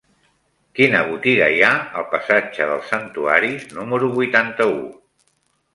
Quina botiga hi ha al passatge dels Santuaris número vuitanta-u?